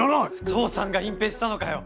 父さんが隠蔽したのかよ！？